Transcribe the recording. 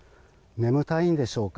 眠たいんでしょうか。